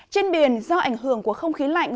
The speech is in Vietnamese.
trên biển do ảnh hưởng của không khí lạnh